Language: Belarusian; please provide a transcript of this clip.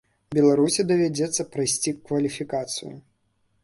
Беларусі давядзецца прайсці кваліфікацыю.